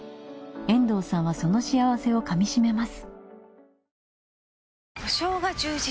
遠藤さんはその幸せをかみしめます。